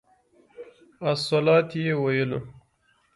الصلواة یې ویلو.